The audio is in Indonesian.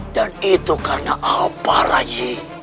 dan itu karena apa rai